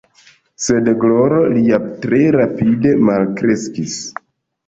Sed gloro lia tre rapide malkreskis.